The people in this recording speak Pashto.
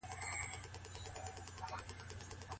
له ناروا کړنو څخه ځان ساتل تقوا بلل کېږي.